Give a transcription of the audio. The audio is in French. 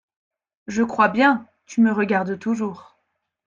Je crois bien ! tu me regardes toujours.